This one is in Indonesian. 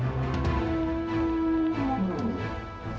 bocak orang satu bos